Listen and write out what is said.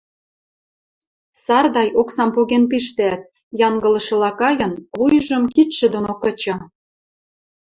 Сардай оксам поген пиштӓӓт, янгылышыла кайын, вуйжым кидшӹ доно кыча.